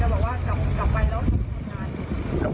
แม่ไม่ใช้ไปติดต่อวิธีนี้ไงก็มีสินศาลมียุคสันต์ใหม่